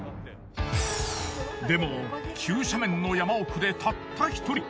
でも急斜面の山奥でたった一人。